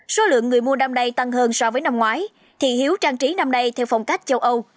số lượng người mua năm nay tăng hơn so với năm ngoái thì hiếu trang trí năm nay theo phong cách châu âu